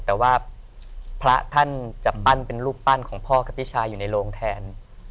แต่ว่าพระท่านจะปั้นเป็นรูปปั้นของพ่อกับพี่ชายอยู่ในโรงแทน